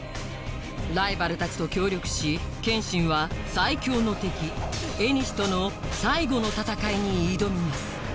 ライバルたちと協力し剣心は最強の敵縁との最後の戦いに挑みます